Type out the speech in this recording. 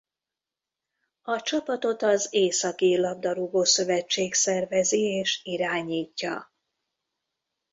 A csapatot az északír labdarúgó-szövetség szervezi és irányítja.